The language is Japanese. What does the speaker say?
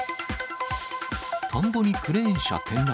田んぼにクレーン車転落。